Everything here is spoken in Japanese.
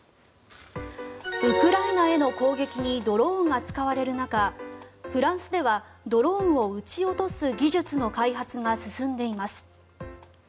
ウクライナへの攻撃にドローンが使われる中フランスではドローンを撃ち落とす技術の開発が進んでいます。